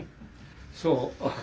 そう？